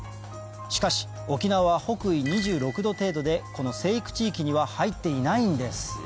しかし沖縄は北緯２６度程度でこの生育地域には入っていないんです